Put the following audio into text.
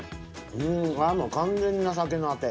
完全な酒のあて。